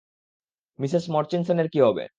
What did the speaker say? Mrs মার্চিসনের কী হবে?